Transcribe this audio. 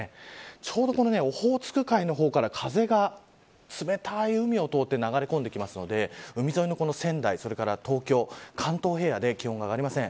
ちょうどこのオホーツク海の方から風が冷たい海を通って流れ込んできますので海沿いの仙台、東京、関東平野で気温が上がりません。